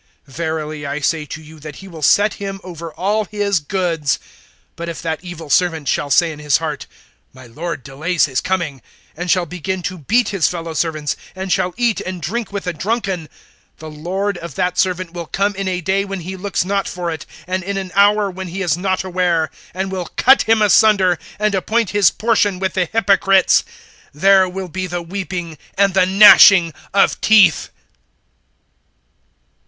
(47)Verily I say to you, that he will set him over all his goods. (48)But if that evil servant shall say in his heart: My lord delays his coming; (49)and shall begin to beat his fellow servants, and shall eat and drink with the drunken; (50)the lord of that servant will come in a day when he looks not for it, and in an hour when he is not aware; (51)and will cut him asunder, and appoint his portion with the hypocrites. There will be the weeping, and the gnashing of teeth!